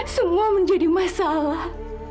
semua menjadi masalah